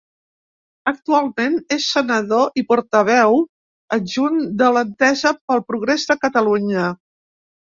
Actualment és senador i portaveu adjunt de l'Entesa pel Progrés de Catalunya.